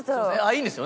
いいんです！